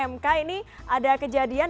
mk ini ada kejadian